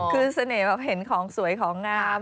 เสน่ห์แบบเห็นของสวยของงาม